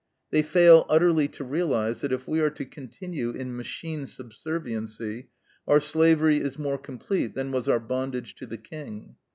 They fail utterly to realize that if we are to continue in machine subserviency, our slavery is more complete than was our bondage to the King.